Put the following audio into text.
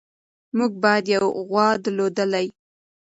موږ باید یوه غوا درلودلی.